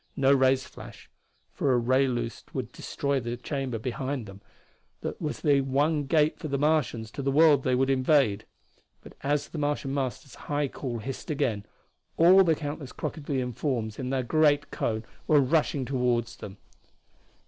No rays flashed, for a ray loosed would destroy the chamber behind them that was the one gate for the Martians to the world they would invade. But as the Martian Master's high call hissed again all the countless crocodilian forms in the great cone were rushing toward them.